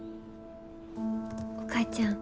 お母ちゃん。